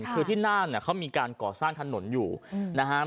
คือที่น่านเนี่ยเขามีการก่อสร้างถนนอยู่นะครับ